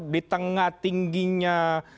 di tengah tingginya